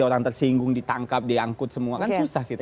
orang tersinggung ditangkap diangkut semua kan susah kita